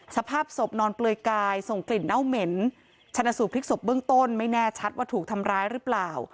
สภาพศพนอนเปลือยกายส่งกลิ่นเน่าเหม็นชนะสูตพลิกศพเบื้องต้นไม่แน่ชัดว่าถูกทำร้ายหรือเปล่า